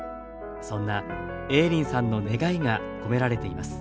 そんな映林さんの願いが込められています。